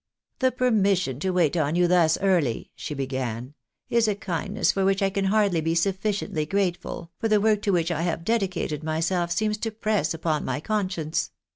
" The permission to wait on you thus early," she began, "is a kindness for which I can hardly be sufficiently grateful, for the work to which I have dedicated myself seems to press upon my conscience.